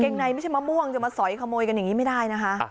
งในไม่ใช่มะม่วงจะมาสอยขโมยกันอย่างนี้ไม่ได้นะคะ